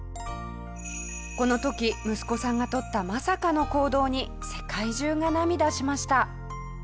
この時息子さんがとったまさかの行動に世界中が涙しました。